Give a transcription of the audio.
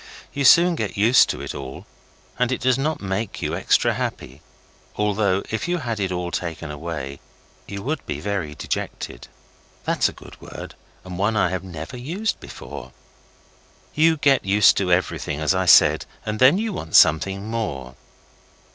You soon get used to it all, and it does not make you extra happy, although, if you had it all taken away, you would be very dejected. (That is a good word, and one I have never used before.) You get used to everything, as I said, and then you want something more.